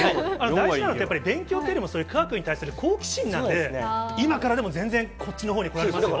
大事なのって、やっぱり勉強というよりも科学に対する好奇心なんで、今からでも全然こっちのほうにいかれますよ。